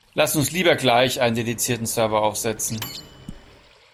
Lass uns lieber gleich einen dedizierten Server aufsetzen.